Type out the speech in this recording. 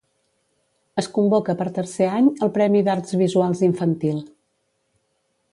Es convoca per tercer any el premi d'Arts Visuals infantil.